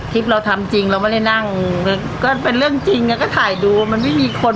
คลิปเราทำจริงเราไม่ได้นั่งก็เป็นเรื่องจริงก็ถ่ายดูมันไม่มีคน